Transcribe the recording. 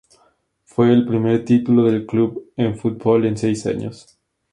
Fue el primer título del club, en fútbol, en seis años.